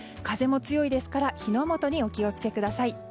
風も強いですから火の元お気を付けください。